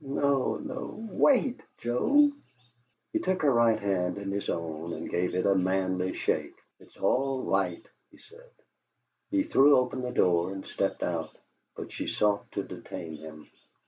"No, no! WAIT, Joe!" He took her right hand in his own, and gave it a manly shake. "It's all right," he said. He threw open the door and stepped out, but she sought to detain him.